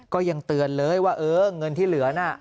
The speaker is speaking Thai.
ก็ยังเตือนเลยว่าเออเงินที่เหลือน่ะ